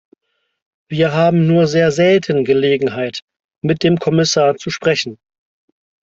Wir haben nur sehr selten Gelegenheit, mit dem Kommissar zu sprechen.